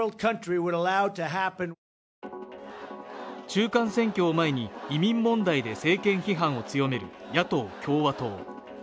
中間選挙を前に移民問題で政権批判を強める野党・共和党